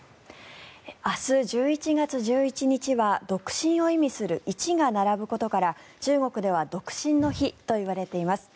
明日１１月１１日は独身を意味する１が並ぶことから中国では独身の日といわれています。